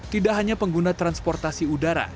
tidak hanya pengguna transportasi udara